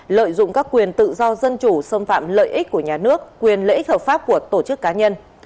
lợi dụng các quyền tự do dân chủ xâm phạm lợi ích của nhà nước quyền lợi ích hợp pháp của tổ chức cá nhân